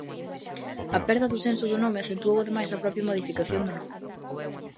A perda do senso do nome acentuou ademais a propia modificación do nome.